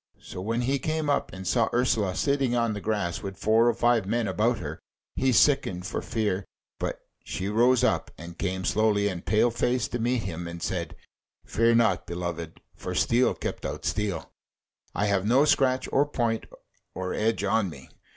So when he came up, and saw Ursula sitting on the grass with four or five men about her, he sickened for fear; but she rose up and came slowly and pale faced to meet him, and said: "Fear not, beloved, for steel kept out steel: I have no scratch or point or edge on me."